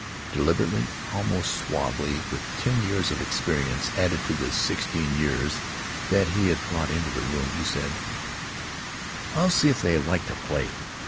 Deliberately, almost suavely, with ten years of experience added to the sixteen years that he had brought into the room, he said: "I'll see if they'd like to play."